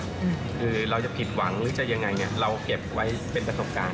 คือเราจะผิดหวังหรือจะยังไงเราเก็บไว้เป็นประสบการณ์